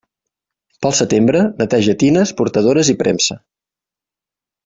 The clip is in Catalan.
Pel setembre, neteja tines, portadores i premsa.